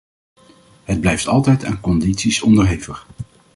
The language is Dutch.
Het blijft altijd aan condities onderhevig.